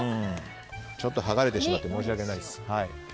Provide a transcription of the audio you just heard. ちょっと剥がれてしまって申し訳ないです。